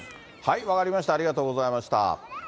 分かりました、ありがとうございました。